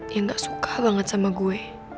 yang gak suka banget sama gue